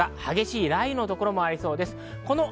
激しい雷雨の所もありそうです。